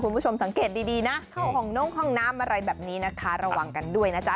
คุณผู้ชมสังเกตดีนะเข้าห้องนงห้องน้ำอะไรแบบนี้นะคะระวังกันด้วยนะจ๊ะ